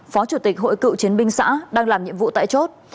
phó chủ tịch hội cựu chiến binh xã đang làm nhiệm vụ tại chốt